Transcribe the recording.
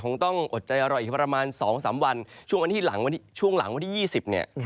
คงต้องอดใจรอดอีกประมาณ๒๓วันช่วงหลังวันที่๒๐เนี่ย